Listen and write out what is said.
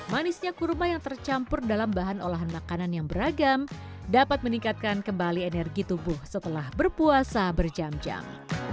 manisnya kurma yang tercampur dalam bahan olahan makanan yang beragam dapat meningkatkan kembali energi tubuh setelah berpuasa berjam jam